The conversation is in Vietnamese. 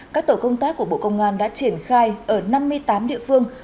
các tổ công tác của bộ công an đã triển khai ở năm mươi tám địa phương